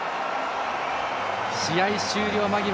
試合終了間際。